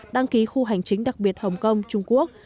đăng ký khu hành chính đặc biệt hồng kông trung quốc